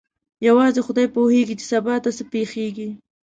یوازې خدای پوهېږي چې سبا ته څه پېښیږي.